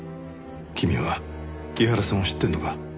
君は井原さんを知ってるのか？